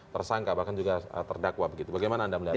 tersangka bahkan juga terdakwa begitu bagaimana anda melihatnya